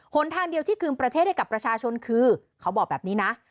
หนทางเดียวที่คืนประเทศให้กับประชาชนคือเขาบอกแบบนี้นะ